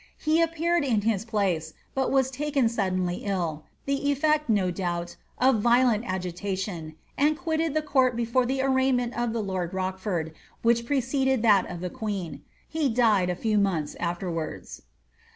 He appeared in his place, but was taken suddenly ill, the effect, no doubt, f'f violent agitation, and quitted the couit before the arraignment of the lord Rochfonl, which preceded that of the queen.* He died a few months ifierwards.